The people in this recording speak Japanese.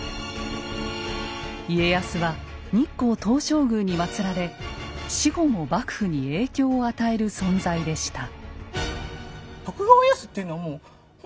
家康は日光東照宮に祭られ死後も幕府に影響を与える存在でした。